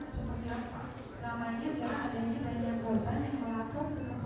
kemudian ketika selesai menjalani ibadah